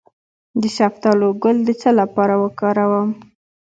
د شفتالو ګل د څه لپاره وکاروم؟